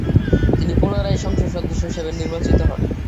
তিনি পুনরায় সংসদ সদস্য হিসেবে নির্বাচিত হন।